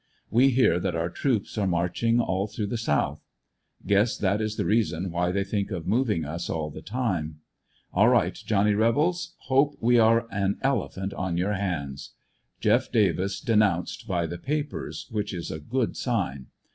We hear that our troops are marching all through the South Guess that is the reason why they think of moving us all the time All right, Johnny Rebels, hope we are an elephant on your hands. Jeff Davis denounced by the papers, which is a good sign.